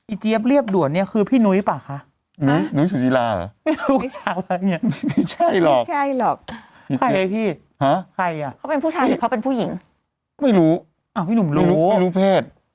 อีเจี๊ยฟเรียบด่วนเนี่ยคือพี่หนุ่มปลาคะหนูนู้งสูจิลาร่าเหมือนฉากอะไรแน่